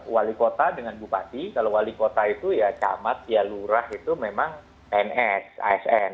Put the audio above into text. wali kota dengan bupati kalau wali kota itu ya camat ya lurah itu memang pns asn